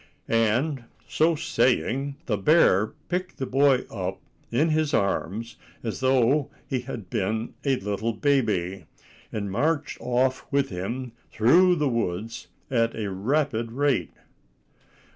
And so saying, the bear picked the big boy up in his arms as though he had been a little baby, and marched off with him through the woods at a rapid rate.